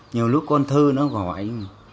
nhiều lúc con thơ nó gọi